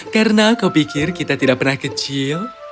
karena kau pikir kita tidak pernah kecil